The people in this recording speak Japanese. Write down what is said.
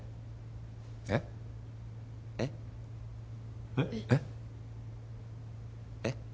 えっ？えっ？えっ？えっ？えっ？